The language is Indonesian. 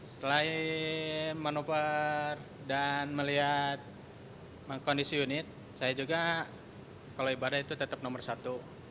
selain manuver dan melihat kondisi unit saya juga kalau ibadah itu tetap nomor satu